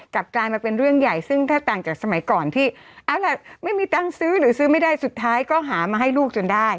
กลายมาเป็นเรื่องใหญ่ซึ่งถ้าต่างจากสมัยก่อนที่เอาล่ะไม่มีตังค์ซื้อหรือซื้อไม่ได้สุดท้ายก็หามาให้ลูกจนได้